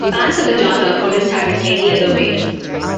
Fans of the genre wouldn't have it any other way.